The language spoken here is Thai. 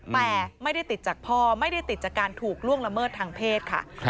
แต่ไม่ได้ติดจากพ่อไม่ได้ติดจากการถูกล่วงละเมิดทางเพศค่ะ